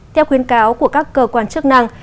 theo khuyến cáo của các cơ quan chức năng